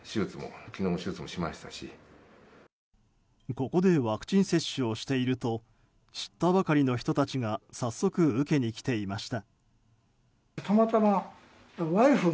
ここでワクチン接種をしていると知ったばかりの人たちが早速、受けに来ていました。